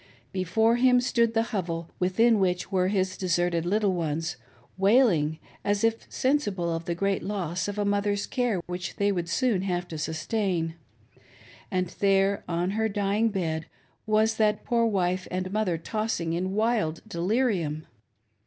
Before him stood the hovel, within which were his deserted little ones^ — wailing, as if sensible of the great loss of a mother's care which they would soon have to sustain ;— and there, on her dying bed, was that poor wife and mother tossing in wild delirium.